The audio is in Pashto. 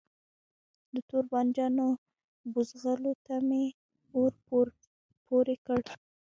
د توربانجانو بوزغلو ته می اور پوری کړ